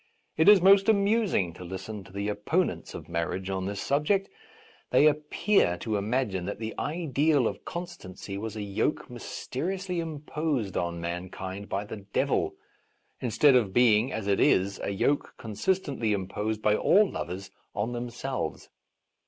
It is most amusing to listen to the opponents of marriage on this subject. They appear to imagine that the ideal of constancy was a yoke mysteriously imposed on mankind by the devil, instead of being, as it is, a yoke consistently imposed by all lovers on them selves.